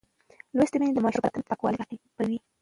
لوستې میندې د ماشوم پر بدن پاکوالی تعقیبوي.